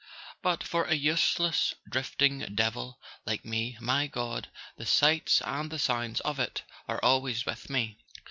But for a useless drifting devil like me—my God, the sights and the sounds of it are al¬ ways with me!